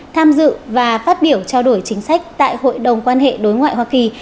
tham dự và phát biểu trao đổi chính sách tại hội đồng quan hệ đối ngoại hoa kỳ